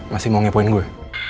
masih mau ngepoin gua